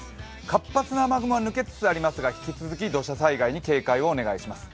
活発な雨雲は抜けつつありますが引き続き土砂災害に警戒をしてください。